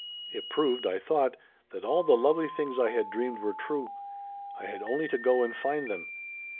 It proved I thought that all the lovely things I had dreamed were true. I had only to go and find them.